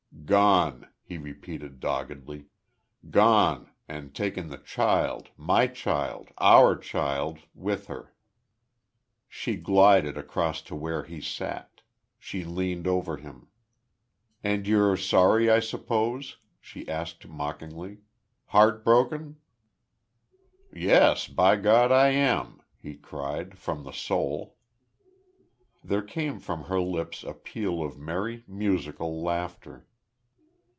"Gone," he repeated, doggedly. "Gone, and taken the child my child our child with her." She glided across to where he sat; she leaned over him. "And you're sorry, I suppose," she asked, mockingly. "Heart broken!" "Yes, by God! I am!" he cried, from the soul. There came from her lips a peal of merry, musical laughter.